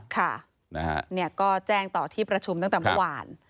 ค่ะเนี่ยก็แจ้งต่อที่ประชุมตั้งแต่มหวาน